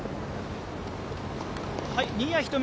新谷仁美